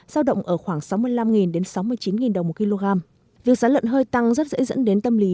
giao động ở khoảng sáu mươi năm đến sáu mươi chín đồng một kg việc giá lợn hơi tăng rất dễ dẫn đến tâm lý